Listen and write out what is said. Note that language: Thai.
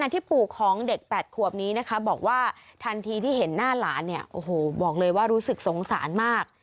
ที่ปู่ของเด็ก๘ขวบนี้นะคะบอกว่าทันทีที่เห็นหน้าหลานเนี่ยโอ้โหบอกเลยว่ารู้สึกสงสารมาก